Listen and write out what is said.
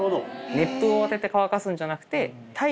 熱風を当てて乾かすんじゃなくて。